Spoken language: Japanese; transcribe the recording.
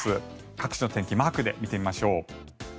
各地の天気マークで見てみましょう。